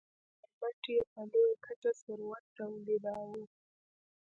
د هغوی پرمټ یې په لویه کچه ثروت تولیداوه.